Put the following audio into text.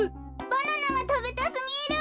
バナナがたべたすぎる。